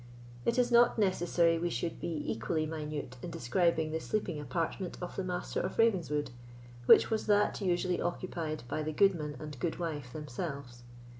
It is not necessary we should be equally minute in describing the sleeping apartment of the Master of Ravenswood, which was that usually occupied by the goodman and goodwife themselves.